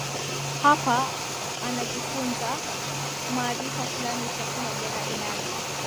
hapo anajifunza maarifa fulani chakula bora Idara